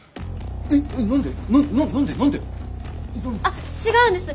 あっ違うんです。